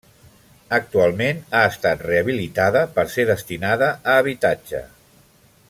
Actualment ha estat rehabilitada per ser destinada a habitatge.